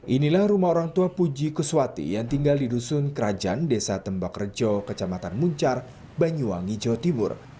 inilah rumah orang tua puji kuswati yang tinggal di dusun kerajaan desa tembak rejo kecamatan muncar banyuwangi jawa timur